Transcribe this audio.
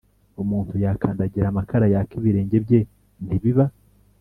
Umuntu yakandagira amakara yaka ibirenge bye ntibiba